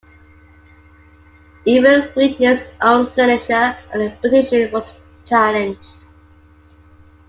Even Whitney's own signature on the petition was challenged.